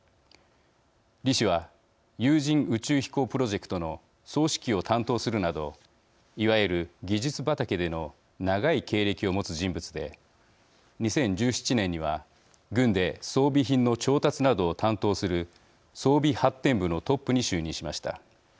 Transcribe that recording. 李氏は有人宇宙飛行プロジェクトの総指揮を担当するなどいわゆる技術畑での長い経歴を持つ人物で２０１７年には軍で装備品の調達などを担当する装備発展部のトップに就任しました。